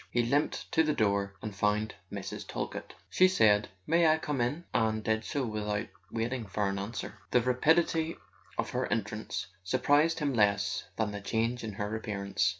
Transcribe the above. He limped to the door, and found Mrs. Talkett. She said: "May I come in?" and did so without waiting for his answer. The rapidity of her entrance surprised him less than the change in her appearance.